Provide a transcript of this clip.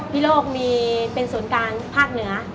พิโลกมีเป็นศูนย์กลางภาคเหนือ